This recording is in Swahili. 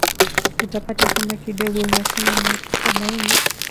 utapata kwamba kidogo uhasama unaipuka baina